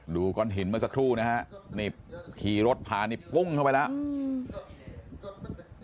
ดูก้อนหินมาสักครู่นะฮะนี่ขี่รถพานิบกุ้งเข้าไปแล้ว